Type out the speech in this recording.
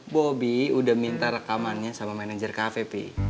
bobi udah minta rekamannya sama manajer kafe pih